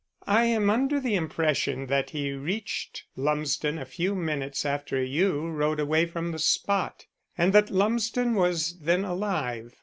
"I am under the impression that he reached Lumsden a few minutes after you rode away from the spot, and that Lumsden was then alive.